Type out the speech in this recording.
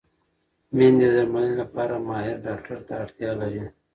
مېندې د درملنې لپاره ماهر ډاکټر ته اړتیا لري.